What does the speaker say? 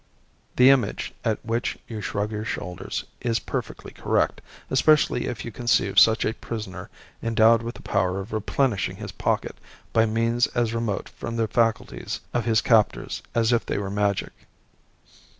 The image at which you shrug your shoulders is perfectly correct, especially if you conceive such a prisoner endowed with the power of replenishing his pocket by means as remote from the faculties of his captors as if they were magic.